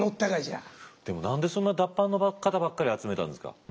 でも何でそんな脱藩の方ばっかり集めたんですか？